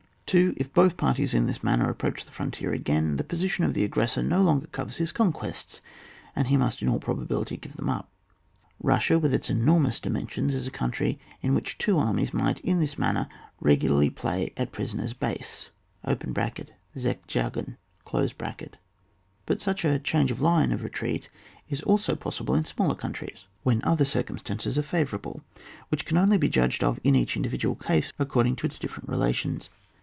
2. If both parties in this manner a])proach the frontier again ; the position oi the aggressor no longer covers his conquests, and he must in aU probability give them up. Russia with its enormous dimensions, is a country in which two armies might in this manner regularly play at pri soners' base (Zeck jagen). But such a change of the line of re treat is also possible in smaller countries. CHAT. XXV.] METRE AT INTO TEE INTERIOR OF THE CO UNTR Y. 171 when other circumstances aire favourable, which can only be judged of in each individual case, according to its different relations.